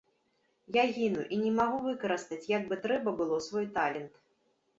Я гіну і не магу выкарыстаць як бы трэба было свой талент.